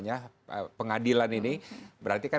untuk menghindari trump